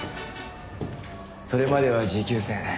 それまでは持久戦。